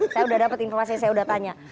saya udah dapat informasi yang saya udah tanya